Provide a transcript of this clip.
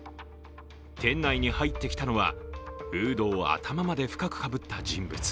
店内に入ってきたのはフードを頭まで深くかぶった人物。